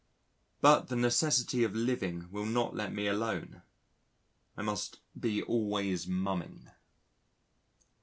But the necessity of living will not let me alone. I must be always mumming.